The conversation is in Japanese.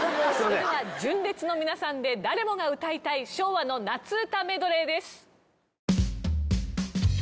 それでは純烈の皆さんで誰もが歌いたい昭和の夏うたメドレーです。